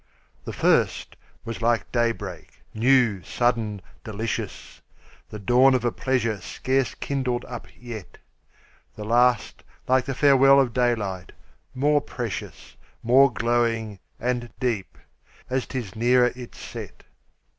The first was like day break, new, sudden, delicious, The dawn of a pleasure scarce kindled up yet; The last like the farewell of daylight, more precious, More glowing and deep, as 'tis nearer its set.